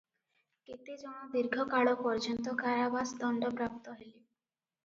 କେତେଜଣ ଦୀର୍ଘକାଳ ପର୍ଯ୍ୟନ୍ତ କାରାବାସ ଦଣ୍ଡ ପ୍ରାପ୍ତ ହେଲେ ।